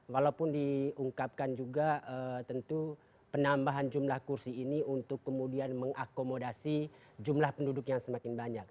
walaupun diungkapkan juga tentu penambahan jumlah kursi ini untuk kemudian mengakomodasi jumlah penduduk yang semakin banyak